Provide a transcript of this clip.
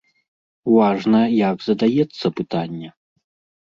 Важна, як задаецца пытанне.